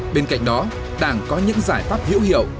bên cạnh đó đảng có những giải pháp hữu hiệu